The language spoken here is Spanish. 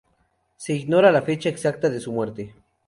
Se ignora la fecha exacta de su muerte.